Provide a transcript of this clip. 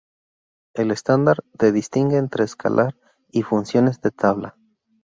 El estándar de distingue entre escalar y funciones de tabla.